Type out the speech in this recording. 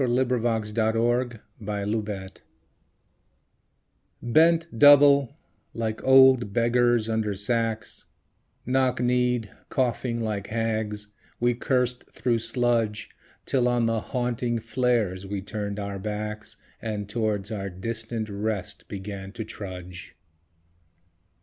Y Z Dulce Et Decorum Est BENT double, like old beggars under sacks Knock kneed, coughing like hags, we cursed through sludge, Till on the haunting flares we turned out backs And towards our distant rest began to trudge.